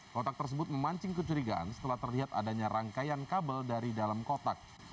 kotak tersebut memancing kecurigaan setelah terlihat adanya rangkaian kabel dari dalam kotak